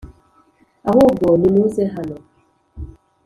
• ahubwo nimuze hano.